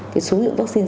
cái số lượng vaccine